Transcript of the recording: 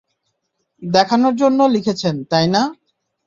দেখানোর জন্য লিখছেন, তাই না?